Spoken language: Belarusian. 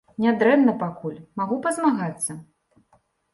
Нядрэнна пакуль, магу пазмагацца?